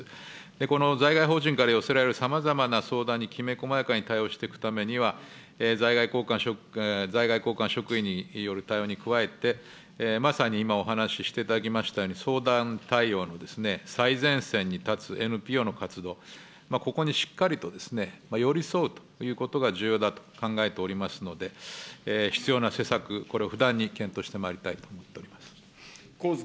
この在外邦人から寄せられるさまざまな相談にきめこまやかに対応していくためには、在外こうかん職員による対応に加えて、まさに今お話していただきましたように、相談対応の最前線に立つＮＰＯの活動、ここにしっかりと寄り添うということが重要だと考えておりますので、必要な施策、これを不断に検討してまいりたいと思っております。